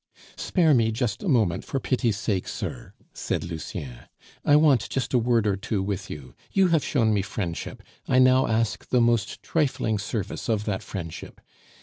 "Spare me just a moment for pity's sake, sir," said Lucien; "I want just a word or two with you. You have shown me friendship, I now ask the most trifling service of that friendship.